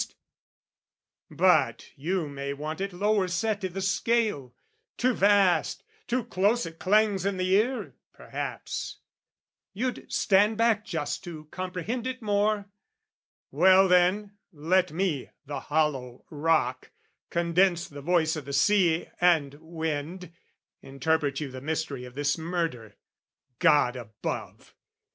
But you may want it lower set i' the scale, Too vast, too close it clangs in the ear, perhaps; You'd stand back just to comprehend it more: Well then, let me, the hollow rock, condense The voice o' the sea and wind, interpret you The mystery of this murder. God above!